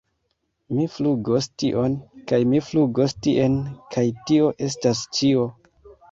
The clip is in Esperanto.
Mi flugos tion... kaj mi flugos tien kaj tio estas ĉio!!